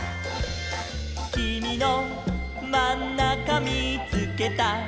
「きみのまんなかみーつけた」